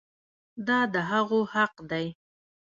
دا د هغوی حق دی.